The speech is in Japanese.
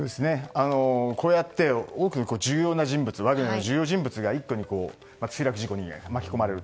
こうやって多くのワグネルの重要人物が一気に墜落事故に巻き込まれる。